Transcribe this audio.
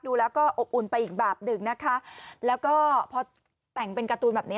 ดูแล้วก็อบอุ่นไปอีกแบบหนึ่งนะคะแล้วก็พอแต่งเป็นการ์ตูนแบบนี้